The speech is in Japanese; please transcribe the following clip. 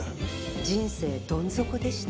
人生どん底でした。